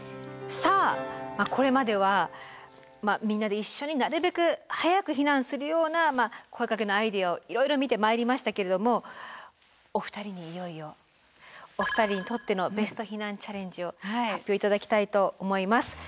さあこれまではみんなで一緒になるべく早く避難するような声かけのアイデアをいろいろ見てまいりましたけれどもお二人にいよいよお二人にとってのベスト避難チャレンジを発表頂きたいと思います。